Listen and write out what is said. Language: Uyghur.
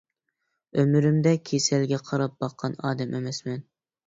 ئۆمرۈمدە كېسەلگە قاراپ باققان ئادەم ئەمەسمەن.